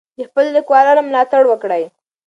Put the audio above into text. د خپلو لیکوالانو ملاتړ وکړئ.